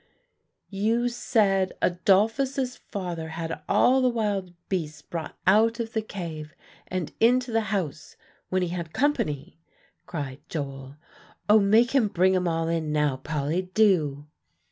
"You said Adolphus's father had all the wild beasts brought out of the cave, and into the house, when he had company," cried Joel. "Oh, make him bring 'em all in now, Polly, do!"